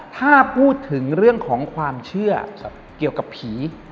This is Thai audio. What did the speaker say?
ถ้าพูดถึงเรื่องของความเชื่อเกี่ยวกับผี